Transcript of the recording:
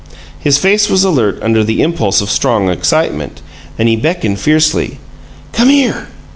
His face was alert under the impulse of strong excitement, and he beckoned fiercely. "Come here!"